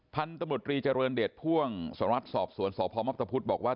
พันธุ์ตมตรีเจริญเดชพ่วงสรรวจสอบสวนสอบพมพฤษฐ์บอกว่า